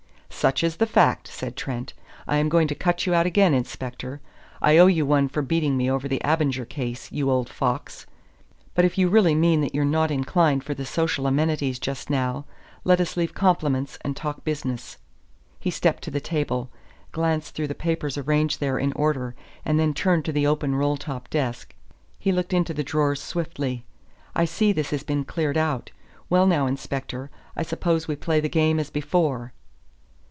"Such is the fact," said Trent. "I am going to cut you out again, Inspector. I owe you one for beating me over the Abinger case, you old fox. But if you really mean that you're not inclined for the social amenities just now, let us leave compliments and talk business." He stepped to the table, glanced through the papers arranged there in order, and then turned to the open roll top desk. He looked into the drawers swiftly. "I see this has been cleared out. Well now, inspector, I suppose we play the game as before."